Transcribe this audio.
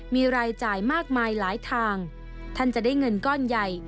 มีรายจ่ายมากมายหลายทางท่านจะได้เงินก้อนใหญ่